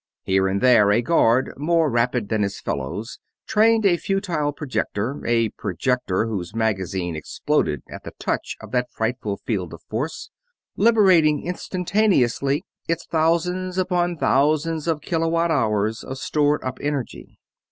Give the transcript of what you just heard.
Here and there a guard, more rapid than his fellows, trained a futile projector a projector whose magazine exploded at the touch of that frightful field of force, liberating instantaneously its thousands upon thousands of kilowatt hours of stored up energy.